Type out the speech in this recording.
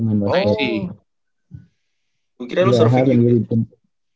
mungkin lu surfing juga